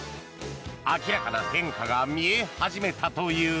明らかな変化が見え始めたという。